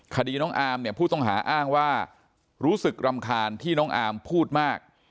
คดีน้องอาร์มเนี่ยผู้ต้องหาอ้างว่ารู้สึกรำคาญที่น้องอามพูดมาก